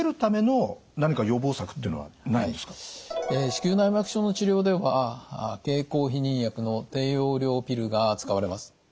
子宮内膜症の治療では経口避妊薬の低用量ピルが使われます。